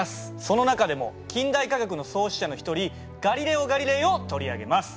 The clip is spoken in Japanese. その中でも近代科学の創始者の一人ガリレオ・ガリレイを取り上げます。